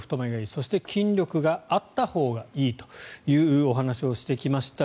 そして筋力があったほうがいいというお話をしてきました。